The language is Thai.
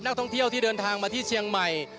ท่องเที่ยวที่เดินทางมาที่เชียงใหม่